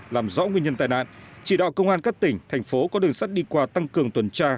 làm rõ nguyên nhân tai nạn chỉ đạo công an các tỉnh thành phố có đường sắt đi qua tăng cường tuần tra